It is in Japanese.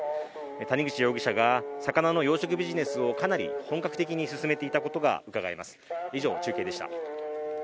谷口容疑者が魚の養殖ビジネスをかなり本格的に進めていたことがうかがえます。